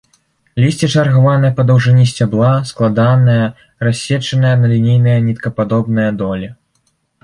Лісце чаргаванае па даўжыні сцябла, складанае, рассечанае на лінейныя ніткападобныя долі.